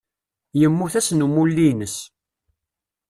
Yemmut ass n umulli-ines.